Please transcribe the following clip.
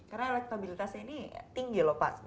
karena elektabilitasnya ini tinggi loh pak